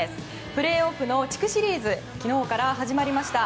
プレーオフの地区シリーズ昨日から始まりました。